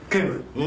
うん？